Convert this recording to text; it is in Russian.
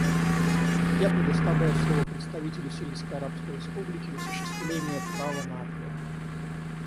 Я предоставляю слово представителю Сирийской Арабской Республики в осуществление права на ответ.